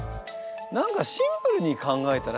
何かシンプルに考えたら？